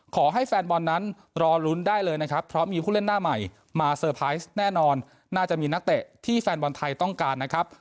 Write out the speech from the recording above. ขอให้แฟนบอลนั้นรอลุ้นได้เลยนะครับเพราะมีผู้เล่นหน้าใหม่มาเตอร์ไพรส์แน่นอนน่าจะมีนักเตะที่แฟนบอลไทยต้องการนะครับ